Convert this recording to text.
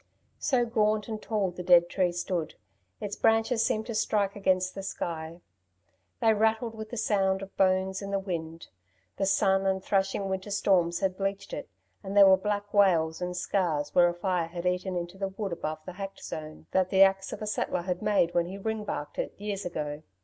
So gaunt and tall the dead tree stood. Its branches seemed to strike against the sky. They rattled with the sound of bones in the wind. The sun and thrashing winter storms had bleached it, and there were black wales and scars where a fire had eaten into the wood above the hacked zone that the axe of a settler had made when he ring barked it years ago.